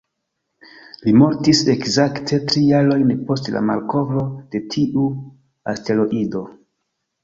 Li mortis ekzakte tri jarojn post la malkovro de tiu asteroido.